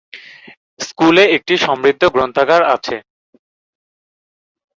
স্কুলে একটি সমৃদ্ধ গ্রন্থাগার আছে।